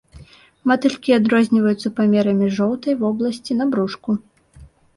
Матылькі адрозніваюцца памерамі жоўтай вобласці на брушку.